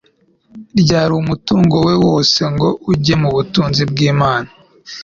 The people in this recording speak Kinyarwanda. ryari umutungo we wose ngo ujye mu butunzi bw'Imana.